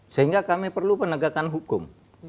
sehingga kami perlu penegakan hukum